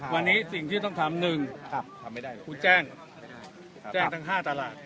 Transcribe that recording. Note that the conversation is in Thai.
วันนี้สิ่งที่ต้องทำ๑ทำไม่ได้คุณแจ้งแจ้งทั้ง๕ตลาด